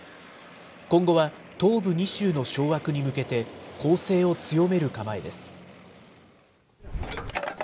今後は東部２州の掌握に向けて、攻勢を強める構えです。